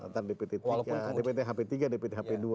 dari dpt hp tiga ke dpt hp dua